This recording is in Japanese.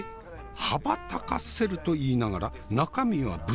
「羽ばたかせる」と言いながら中身は豚！